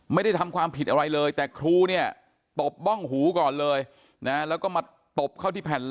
ไม่ได้ทำความผิดอะไรเลยแต่ครูเนี่ยตบบ้องหูก่อนเลยนะแล้วก็มาตบเข้าที่แผ่นหลัง